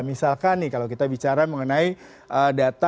misalkan nih kalau kita bicara mengenai data